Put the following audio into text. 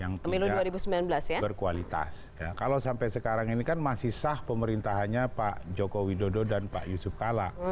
yang tiga berkualitas kalau sampai sekarang ini kan masih sah pemerintahnya pak joko widodo dan pak yusuf kalla